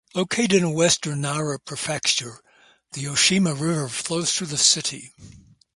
Located in western Nara Prefecture, the Yoshino River flows through the city.